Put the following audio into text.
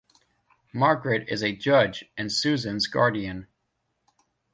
Margaret is a judge, and Susan's guardian.